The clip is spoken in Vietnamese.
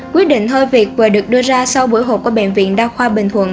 quyết định thơ việc vừa được đưa ra sau buổi hộp của bệnh viện đa khoa bình thuận